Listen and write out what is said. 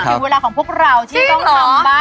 อยู่เวลาของพวกเราที่ต้องกล่อมบ้าง